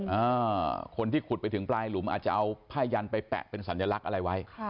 อ่าคนที่ขุดไปถึงปลายหลุมอาจจะเอาผ้ายันไปแปะเป็นสัญลักษณ์อะไรไว้ค่ะ